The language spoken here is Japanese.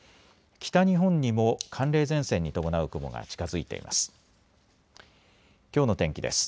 北日本にも寒冷前線に伴う雲が近づいています。